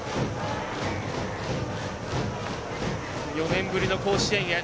４年ぶりの甲子園へ。